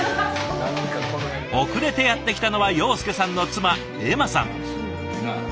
遅れてやってきたのは庸介さんの妻絵麻さん。